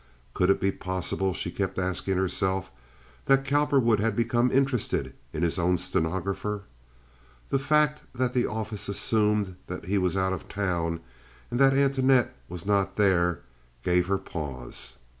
Could it be possible, she kept asking herself, that Cowperwood had become interested in his own stenographer? The fact that the office assumed that he was out of town and that Antoinette was not there gave her pause.